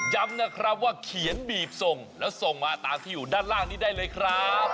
ย้ำนะครับว่าเขียนบีบส่งแล้วส่งมาตามที่อยู่ด้านล่างนี้ได้เลยครับ